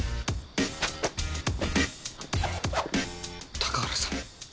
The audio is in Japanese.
高原さん。